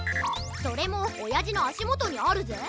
それもおやじのあしもとにあるぜ。